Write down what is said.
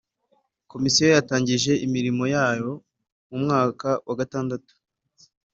Komisiyo yatangiye imirimo yayo mu mwaka wa gatandatu